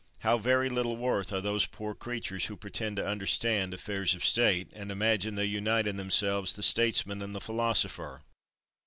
How very little worth are those poor creatures who pretend to understand affairs of state, and imagine they unite in themselves the statesman and the philosopher!